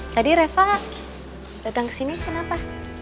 tadi reva datang kesini kenapa